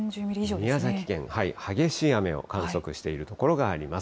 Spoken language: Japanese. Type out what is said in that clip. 宮崎県、激しい雨を観測している所があります。